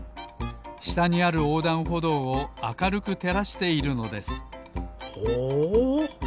したにあるおうだんほどうをあかるくてらしているのですほう。